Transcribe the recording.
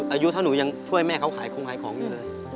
อายุถ้าหนูยังช่วยแม่เขาขายคงขายของอยู่เลย